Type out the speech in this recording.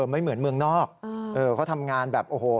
ไม่เหมือนเมืองนอกเขาทำงานแบบโอ้โห